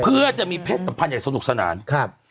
เพื่อจะมีเพศสัมพันธ์อย่างสนุกสนานครับ